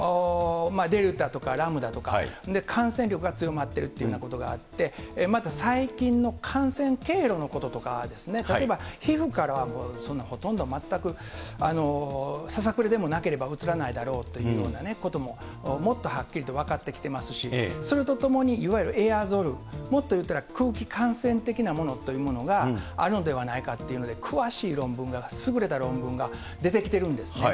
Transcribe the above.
デルタとかラムダとか、感染力が強まっているっていうふうなことがあって、また最近の感染経路のこととか、例えば、皮膚からはそんな、ほとんど全く、ささくれでもなければうつらないだろうというようなことももっとはっきりと分かってきてますし、それとともにいわゆるエアゾル、もっと言ったら空気感染的なものというものがあるのではないかというので、詳しい論文が、優れた論文が出てきてるんですね。